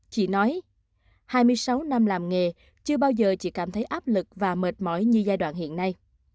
chị nói hai mươi sáu năm làm nghề chưa bao giờ chị cảm thấy áp lực và mệt mỏi như giai đoạn hiện nay